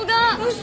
嘘！